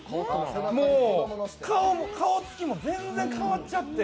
もう顔つきも全然変わっちゃって。